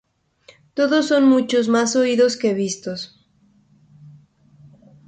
Todos son mucho más oídos que vistos.